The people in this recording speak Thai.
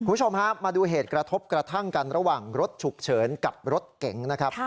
คุณผู้ชมฮะมาดูเหตุกระทบกระทั่งกันระหว่างรถฉุกเฉินกับรถเก๋งนะครับ